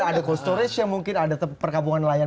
ada cold storage yang mungkin ada perkabungan nelayan